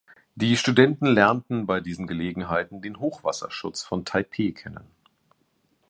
Die Studenten lernten bei diesen Gelegenheiten den Hochwasserschutz von Taipeh kennen.